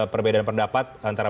perbedaan pendapat antara